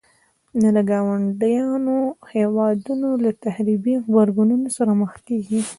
نو د ګاونډيو هيوادونو له تخريبي غبرګون سره مخ کيږي.